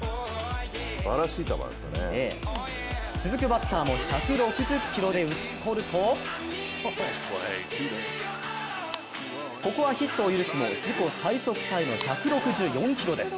続くバッターも１６０キロで打ち取るとここはヒットを許すも自己最速タイの１６４キロです。